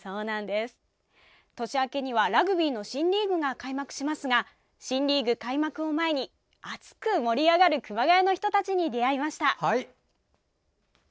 年明けにはラグビーの新リーグが開幕しますが新リーグ開幕前に熱く盛り上がる熊谷の人たちに出会いました。